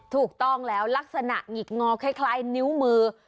ถูกต้องแล้วลักษณะหงิกงอคล้ายนิ้วมือ